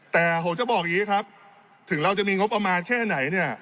แต่ผมจะบอกอย่างนี้ครับถึงเราจะมีงบประมาณแค่ไหนเนี่ย